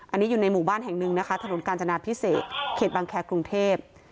อันนี้อยู่ในหมู่บ้านแห่งหนึ่งนะคะถนนกาญจนาพิเศษเขตบังแครกรุงเทพ